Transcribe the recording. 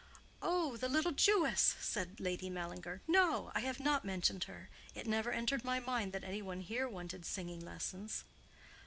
"Oh, the little Jewess!" said Lady Mallinger. "No, I have not mentioned her. It never entered my head that any one here wanted singing lessons."